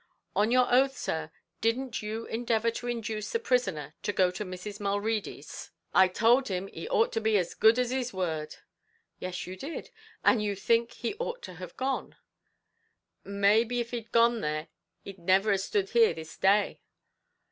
"On your oath, sir, didn't you endeavour to induce the prisoner to go to Mrs. Mulready's?" "I towld him he ought to be as good as his word." "Yes, you did; and you think he ought to have gone?" "May be av he'd gone there, he'd never have stood here this day."